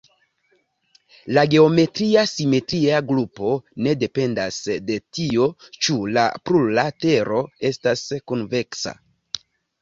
La geometria simetria grupo ne dependas de tio ĉu la plurlatero estas konveksa.